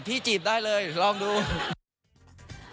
ซึ่งเจ้าตัวก็ยอมรับว่าเออก็คงจะเลี่ยงไม่ได้หรอกที่จะถูกมองว่าจับปลาสองมือ